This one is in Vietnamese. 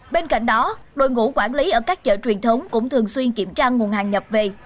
bên cạnh đó đội ngũ quản lý ở các chợ truyền thống cũng thường xuyên kiểm tra nguồn hàng nhập về